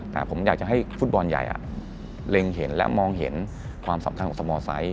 แต่ผมอยากจะให้ฟุตบอลใหญ่เล็งเห็นและมองเห็นความสำคัญของสมอร์ไซต์